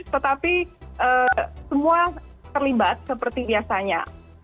tetapi semua terlibat seperti biasanya